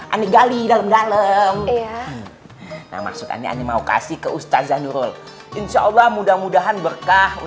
aneh gali dalam dalam maksudnya nih mau kasih ke ustaz zanurul insyaallah mudah mudahan berkah